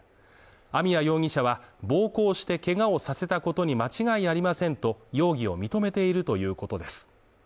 網谷容疑者は暴行してけがをさせたことに間違いありませんと容疑を認めているということです。